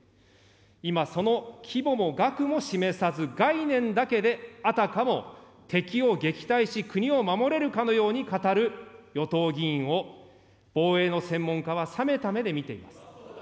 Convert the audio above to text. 今、その規模も額も示さず、概念だけであたかも敵を撃退し、国を守れるかのように語る与党議員を、防衛の専門家は冷めた目で見ています。